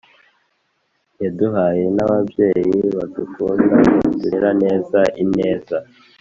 yaduhaye n'ababyeyi badukunda, baturerane ineza.